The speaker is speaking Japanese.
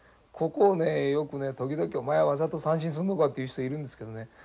ここをねよくね時々「お前わざと三振すんのか」って言う人いるんですけどね